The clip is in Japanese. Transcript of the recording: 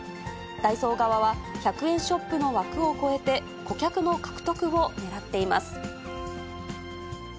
ダイソー側は、１００円ショップの枠を超えて、顧客の獲得をねらっています。